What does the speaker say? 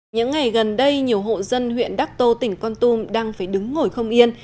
những ngày gần đây nhiều hộ dân huyện đắc tô tỉnh con tum đang phải đứng ngồi không yên